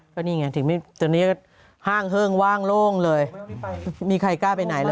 ก็นี่ไงถึงตอนนี้ก็ห้างเฮิ้งว่างโล่งเลยมีใครกล้าไปไหนเลย